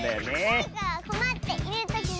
「だれかがこまっているときは」